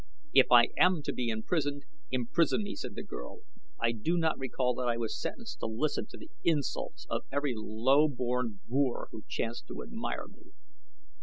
"If I am to be imprisoned, imprison me," said the girl. "I do not recall that I was sentenced to listen to the insults of every low born boor who chanced to admire me."